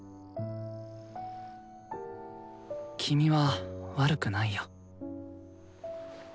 君は悪くないよ。